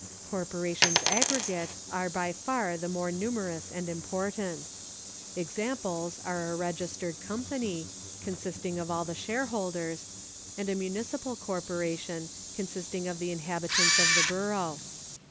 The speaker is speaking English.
Corporations aggregate are by far the more numerous and important. Examples are a registered company, consisting of all the shareholders, and a municipal corporation, consisting of the inhabitants of the borough.